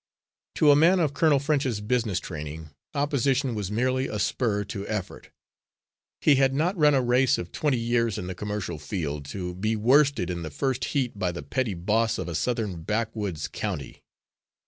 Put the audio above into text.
To a man of Colonel French's business training, opposition was merely a spur to effort. He had not run a race of twenty years in the commercial field, to be worsted in the first heat by the petty boss of a Southern backwoods county.